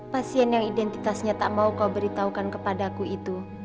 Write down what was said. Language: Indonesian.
pasien yang identitasnya tak mau kau beritahukan kepadaku itu